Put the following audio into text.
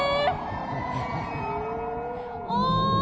おい！